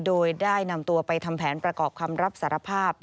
โดยได้นำตัวไปทำแผนประกอบคำรับสารภาพ